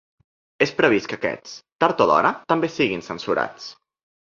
És previst que aquests, tard o d’hora, també siguin censurats.